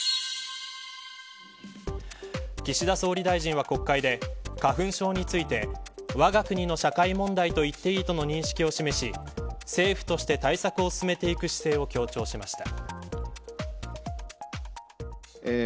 岸田総理大臣は国会で花粉症についてわが国の社会問題と言っていいとの認識を示し政府として対策を進めていく姿勢を強調しました。